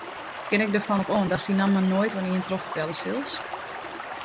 Kin ik derfan op oan datst dy namme noait oan ien trochfertelle silst?